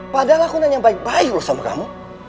padahal aku hanya baik baik loh sama kamu